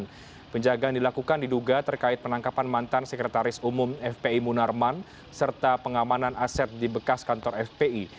penjagaan dilakukan diduga terkait penangkapan mantan sekretaris umum fpi munarman serta pengamanan aset di bekas kantor fpi